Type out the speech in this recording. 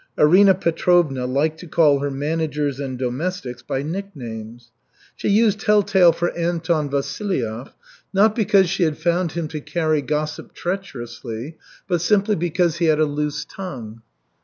Arina Petrovna liked to call her managers and domestics by nicknames. She used Telltale for Anton Vasilyev, not because she had found him to carry gossip treacherously, but simply because he had a loose tongue.